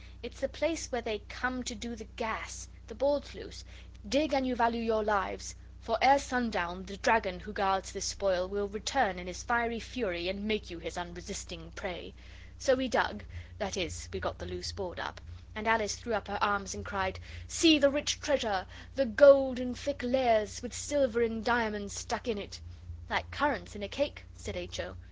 It's the place where they come to do the gas. The board's loose. Dig an you value your lives, for ere sundown the dragon who guards this spoil will return in his fiery fury and make you his unresisting prey.' So we dug that is, we got the loose board up. And Alice threw up her arms and cried 'See the rich treasure the gold in thick layers, with silver and diamonds stuck in it!' 'Like currants in cake,' said H. O.